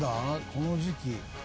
この時期。